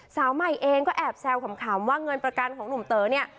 สาวใหม่เองก็แอบแซวขำว่าเงินประกันของหนุ่มเต๋อเนี่ย